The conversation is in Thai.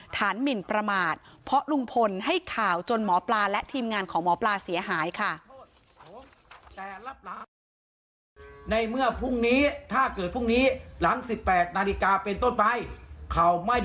หมินประมาทเพราะลุงพลให้ข่าวจนหมอปลาและทีมงานของหมอปลาเสียหายค่ะ